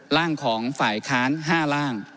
ร่างของฝ่ายค้าน๕ร่าง